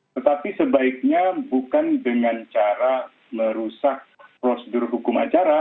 tetapi sebaiknya bukan dengan cara merusak prosedur hukum acara